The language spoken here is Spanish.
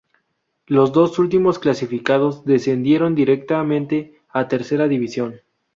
Los dos últimos clasificados descendieron directamente a Tercera División.